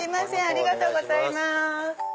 ありがとうございます。